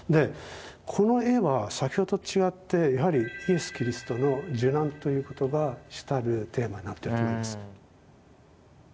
この絵は先ほどと違ってやはりイエス・キリストの受難ということが主たるテーマになってると思います。